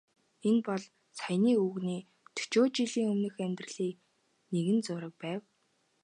Энэ бол саяын өвгөний дөчөөд жилийн өмнөх амьдралын нэгэн зураг байв.